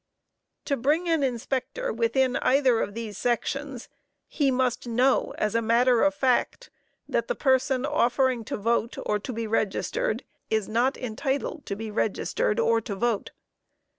To bring an inspector within either of these sections he must know as matter of fact, that the person offering to vote, or to be registered, is not entitled to be registered or to vote.